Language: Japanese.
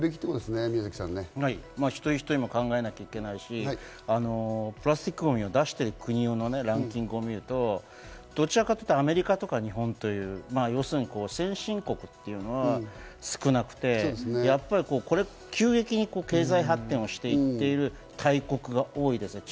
一人一人も考えなきゃいけないし、プラスチックゴミを出している国のランキングを見ると、どちらかというとアメリカや日本、先進国というのは少なくて、急激に発展している大国が多いですよね。